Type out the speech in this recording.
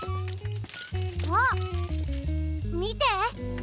あっみて！